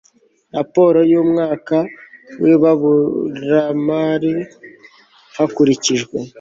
raporo y umwaka w ibaruramari hakurikijwe